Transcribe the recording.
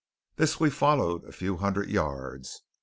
This we followed a few hundred yards.